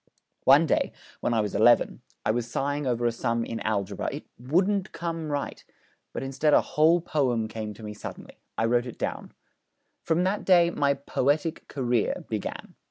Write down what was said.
One day, when I was eleven, I was sighing over a sum in algebra; it wouldn't come right; but instead a whole poem came to me suddenly. I wrote it down. 'From that day my "poetic career" began.